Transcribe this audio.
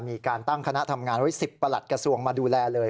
มีการตั้งคณะทำงานไว้๑๐ประหลัดกระทรวงมาดูแลเลย